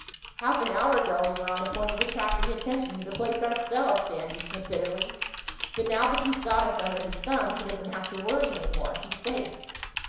"Half an hour ago we were on the point of attracting attention to the place ourselves," Sandy said bitterly. "But now that he's got us under his thumb he doesn't have to worry any more. He's safe."